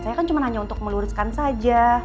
saya kan cuma hanya untuk meluruskan saja